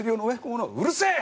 「うるせえ！」